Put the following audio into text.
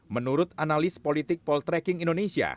menurut analis politik poltreking indonesia